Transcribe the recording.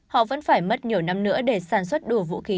họ vẫn phải mất nhiều năm nữa để sản xuất đủ vũ khí